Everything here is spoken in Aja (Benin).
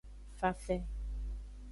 Fafe.